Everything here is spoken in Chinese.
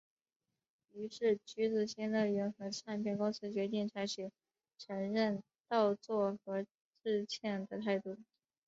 于是橘子新乐园和唱片公司决定采取承认盗作和致歉的态度。